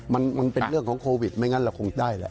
มันเป็นเรื่องของโควิดไม่งั้นเราคงได้แหละ